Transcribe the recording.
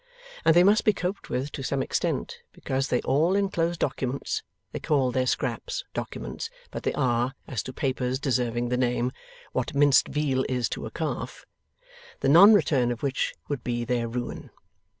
And they must be coped with to some extent, because they all enclose documents (they call their scraps documents; but they are, as to papers deserving the name, what minced veal is to a calf), the non return of which would be their ruin.